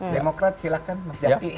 demokrat silahkan mas jati